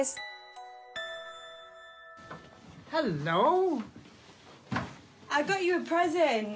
ハロー！